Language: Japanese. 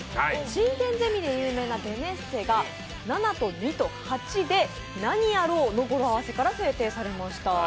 進研ゼミで有名なベネッセが７と２と８で「なにやろう」の語呂合わせから制定されました。